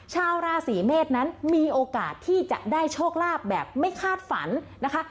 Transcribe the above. ชาวราศีเมษนั้นมีโอกาสที่จะได้โชคลาภแบบไม่คาดฝันนะคะ